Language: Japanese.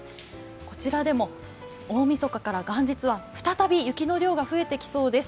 こちらでも大みそかから元日は再び雪の量が増えてきそうです。